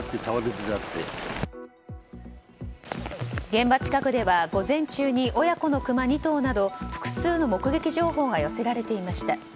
現場近くでは午前中に親子のクマ２頭など複数の目撃情報が寄せられていました。